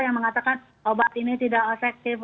yang mengatakan obat ini tidak efektif